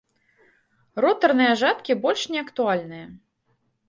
Ротарныя жаткі больш не актуальныя.